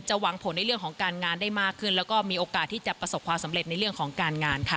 หวังผลในเรื่องของการงานได้มากขึ้นแล้วก็มีโอกาสที่จะประสบความสำเร็จในเรื่องของการงานค่ะ